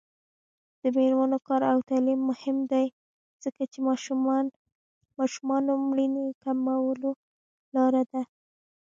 د میرمنو کار او تعلیم مهم دی ځکه چې ماشومانو مړینې کمولو لاره ده.